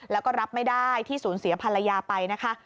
แล้วก็รับไม่ได้ที่สูญเสียภรรยาไปนะคะ